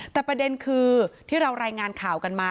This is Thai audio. แต่ประเด็นคือที่เรารายงานข่าวกันมา